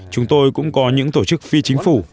chúng tôi cũng có những tổ chức phi chính phủ